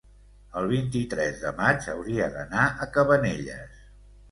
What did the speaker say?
el vint-i-tres de maig hauria d'anar a Cabanelles.